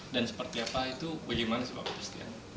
dan seperti apa itu bagaimana